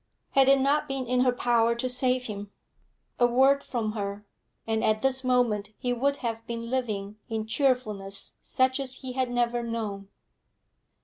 Had it not been in her power to save him? A word from her, and at this moment he would have been living in cheerfulness such as he had never known.